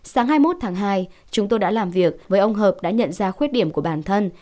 sáng hai mươi một tháng hai chúng tôi đã làm việc với ông hợp đã nhận ra khuyết điểm của bản thân